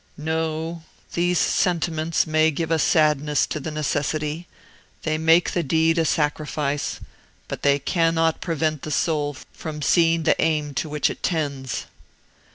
"No; these sentiments may give a sadness to the necessity; they make the deed a sacrifice, but they cannot prevent the soul from seeing the aim to which it tends."